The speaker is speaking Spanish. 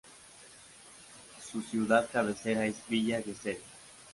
Su ciudad cabecera es Villa Gesell.